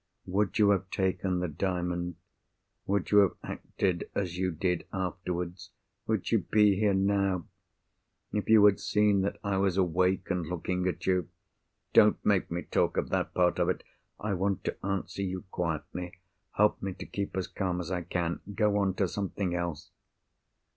"Would you have taken the Diamond? would you have acted as you did afterwards? would you be here now—if you had seen that I was awake and looking at you? Don't make me talk of that part of it! I want to answer you quietly. Help me to keep as calm as I can. Go on to something else."